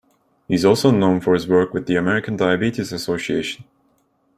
He is also known for his work with the American Diabetes Association.